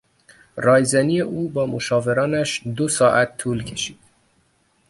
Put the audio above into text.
رایزنی او با مشاورانش دو ساعت طول کشید.